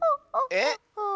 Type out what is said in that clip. えっ？